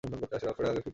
বাক্সটা তাকে দিয়ে দাও।